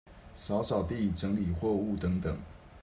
掃掃地、整理貨物等等